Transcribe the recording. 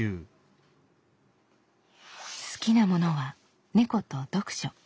好きなものは猫と読書。